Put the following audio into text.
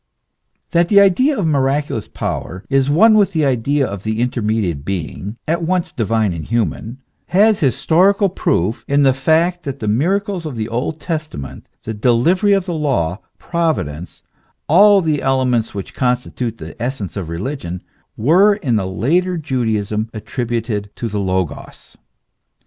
That the idea of miraculous power is one with the idea of the intermediate being, at once divine and human, has historical proof in the fact that the miracles of the Old Testament, the delivery of the law, Providence all the elements which constitute the essence of religion, were in the later Judaism attributed to the Logos.